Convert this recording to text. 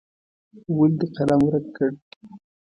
ولې دې قلم ورک کړ.